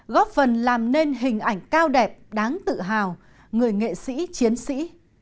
góp phần làm nên hình ảnh cao đẹp đáng tự hào người nghệ sĩ chiến sĩ